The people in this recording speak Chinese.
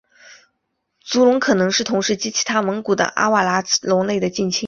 足龙可能是同时期其他蒙古的阿瓦拉慈龙类的近亲。